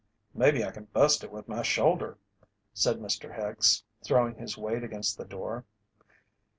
"Maybe I can bust it with my shoulder," said Mr. Hicks, throwing his weight against the door.